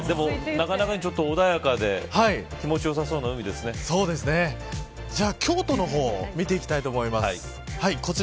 なかなかに穏やかでそうですね、じゃあ京都の方を見ていきたいと思います。